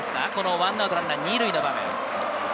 １アウトランナー２塁の場面。